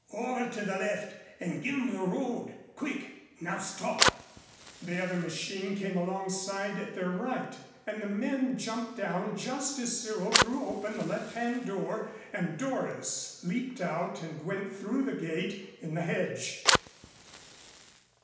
Over to the left and give 'em the road. Quick! Now stop!" The other machine came alongside at their right and the men jumped down just as Cyril threw open the left hand door and Doris leaped out and went through the gate in the hedge.